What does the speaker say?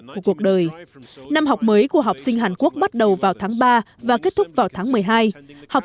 của cuộc đời năm học mới của học sinh hàn quốc bắt đầu vào tháng ba và kết thúc vào tháng một mươi hai học